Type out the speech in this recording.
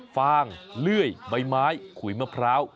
ฟางเลื่อยใบไม้ขุยมะพร้าว